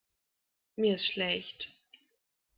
Mir ist schlecht.